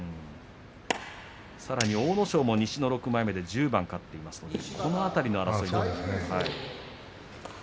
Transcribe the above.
さらに阿武咲も西の６枚目で１０番勝っていますのでこの辺りの争いです。